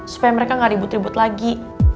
supaya mereka gak ribut ribut lagi